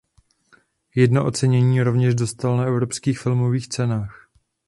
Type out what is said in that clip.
Jedno ocenění rovněž dostal na Evropských filmových cenách.